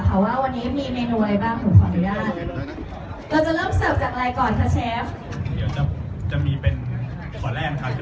เพราะว่าวันนี้มีเมนูอะไรบ้างผมขอลืมได้